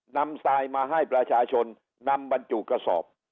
ทรายมาให้ประชาชนนำบรรจุกระสอบ